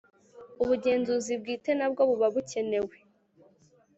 Ubugenzuzi bwite nabwo buba bukenewe